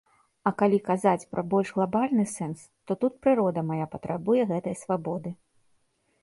А калі казаць пра больш глабальны сэнс, то тут прырода мая патрабуе гэтай свабоды.